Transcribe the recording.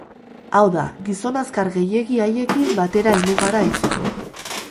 Hau da, gizon azkar gehiegi haiekin batera helmugara heltzeko.